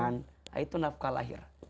nah itu nafkah lahir